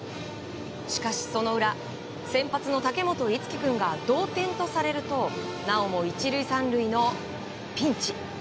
しかし、その裏先発の武元一輝君が同点とされるとなおも１塁３塁のピンチ。